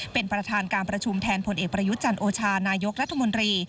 เป็นประธานการประชุมแทนผลเอกประยุทธ์จันทร์โอชานายกรัฐมนตรี